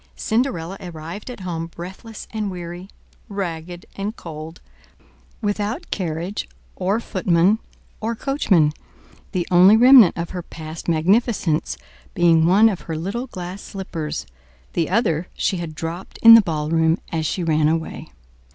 Cinderella arrived at home breathless and weary, ragged and cold, without carriage, or footman or coachman; the only remnant of her past magnificence being one of her little glass slippers—the other she had dropped in the ballroom as she ran away.